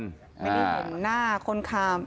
ไม่ได้เห็นหน้าคนขับ